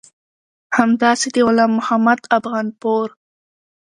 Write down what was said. همداسې د غلام محمد افغانپور